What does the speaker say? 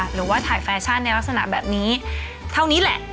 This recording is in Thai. หรือว่าถ่ายแฟชั่นในลักษณะแบบนี้เท่านี้แหละ